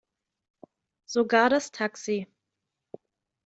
Sogar das Taxi.